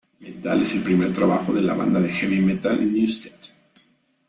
Metal es el primer trabajo de la banda de Heavy Metal Newsted.